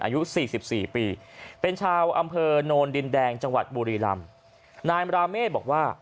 อายุสี่สิบสี่ปีเป็นชาวอำเภอโนนดินแดงจังหวัดบุรีลำนายมราเมฆบอกว่า